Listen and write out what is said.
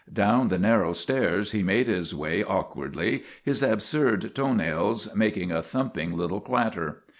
Down the narrow stairs he made his way awkwardly, his absurd toe nails making a thumping little clatter.